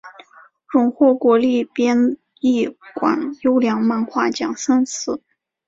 荣获国立编译馆优良漫画奖三次。